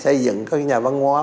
xây dựng cái nhà văn hóa